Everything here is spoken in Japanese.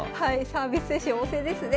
サービス精神旺盛ですね。